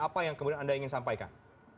apa yang kemudian anda ingin sampaikan